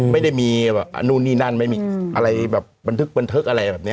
ไม่ได้มีแบบนู่นนี่นั่นไม่มีอะไรแบบบันทึกบันทึกอะไรแบบนี้